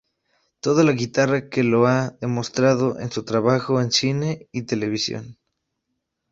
Toca la guitarra, que lo ha demostrado en su trabajo en cine y televisión.